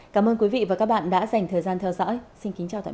cảm ơn quý vị và các bạn đã dành thời gian theo dõi